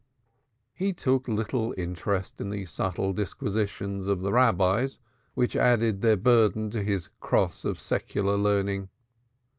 He took little interest in the subtle disquisitions of the Rabbis, which added their burden to his cross of secular learning.